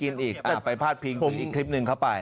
ที่เขากำลังกินอีกไปพาดพิงอีกคลิปหนึ่งเข้าไป